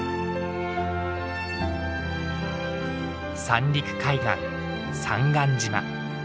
三陸海岸三貫島。